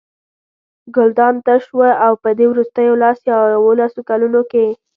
ګلدان تش و او په دې وروستیو لس یا یوولسو کلونو کې.